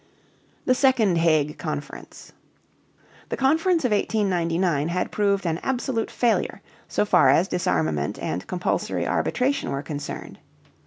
THE SECOND HAGUE CONFERENCE. The conference of 1899 had proved an absolute failure so far as disarmament and compulsory arbitration were concerned.